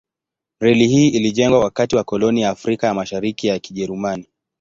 Reli hii ilijengwa wakati wa koloni ya Afrika ya Mashariki ya Kijerumani.